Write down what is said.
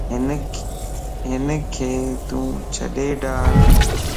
ھنک تو ڇڏي ڊار